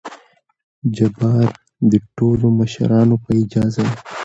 جبار : دې ټولو مشرانو په اجازه!